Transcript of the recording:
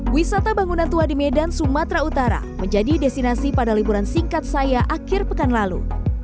wisata bangunan tua di medan sumatera utara menjadi destinasi pada liburan singkat saya akhir pekan lalu